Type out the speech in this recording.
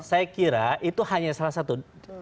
saya kira itu hanya salah satu